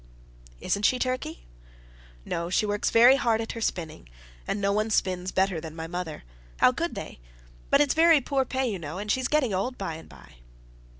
"Isn't she, Turkey?" "No. She works very hard at her spinning, and no one spins better than my mother. How could they? But it's very poor pay, you know, and she'll be getting old by and by."